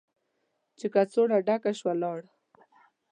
چې کڅوړه ډکه شوه، لاړ.